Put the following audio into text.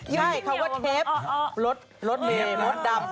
ใช่คำว่าเชฟรถเมย์มดดำ